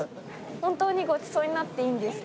本当にごちそうになっていいんですか？